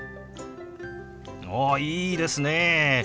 おいいですね！